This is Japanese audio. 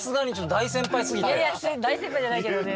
大先輩じゃないけどね。